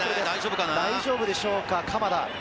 大丈夫でしょうか、鎌田。